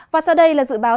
và sau đây là dự báo